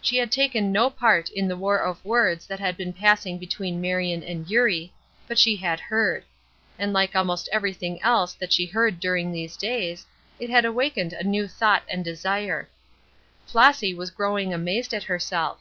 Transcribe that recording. She had taken no part in the war of words that had been passing between Marion and Eurie, but she had heard. And like almost everything else that she heard during these days, it had awakened a new thought and desire. Flossy was growing amazed at herself.